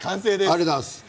ありがとうございます。